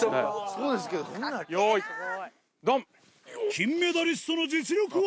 金メダリストの実力は？